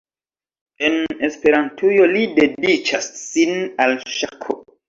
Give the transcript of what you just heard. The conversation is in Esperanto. En Esperantujo li dediĉas sin al ŝako.